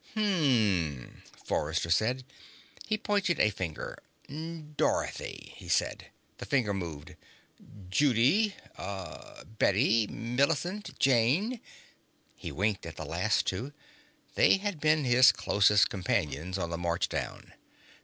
"Hmm," Forrester said. He pointed a finger. "Dorothy," he said. The finger moved. "Judy. Uh Bette. Millicent. Jayne." He winked at the last two. They had been his closest companions on the march down.